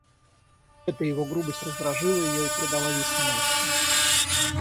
Эта его грубость раздражила ее и придала ей смелости.